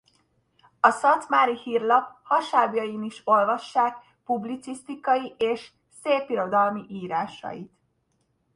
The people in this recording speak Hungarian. A Szatmári Hírlap hasábjain is olvassák publicisztikai és szépirodalmi írásait.